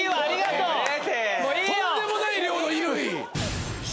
とんでもない量の衣類。